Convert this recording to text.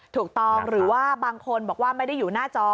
ถูกต้องหรือว่าบางคนบอกว่าไม่ได้อยู่หน้าจอ